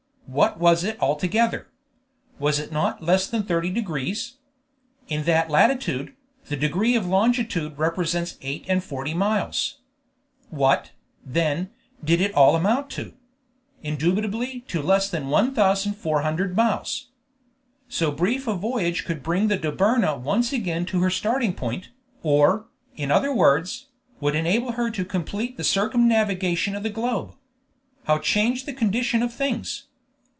What was it altogether? Was it not less than thirty degrees? In that latitude, the degree of longitude represents eight and forty miles. What, then, did it all amount to? Indubitably, to less than 1,400 miles. So brief a voyage would bring the Dobryna once again to her starting point, or, in other words, would enable her to complete the circumnavigation of the globe. How changed the condition of things!